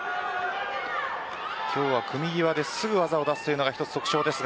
今日は組際ですぐ技を出すというのが一つ特徴です。